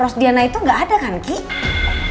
rosdiana itu gak ada kan ki